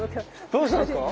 どうしたんですか？